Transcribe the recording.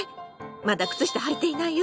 「まだ靴下はいていないよ」